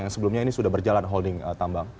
yang sebelumnya ini sudah berjalan holding tambang